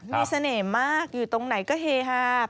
มีเสน่ห์มากอยู่ตรงไหนก็เฮฮา